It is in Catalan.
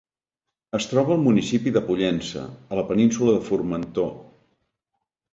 Es troba al municipi de Pollença, a la península de Formentor.